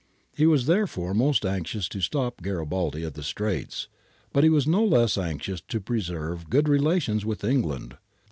He was therefore most anxious to stop Garibaldi at the Straits ; but he was no less anxious to preserve good relations with England.